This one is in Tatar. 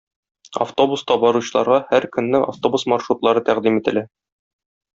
Автобуста баручыларга һәр көнне автобус маршрутлары тәкъдим ителә.